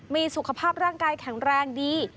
มีสุขภาพร่างกายแข็งแรงดี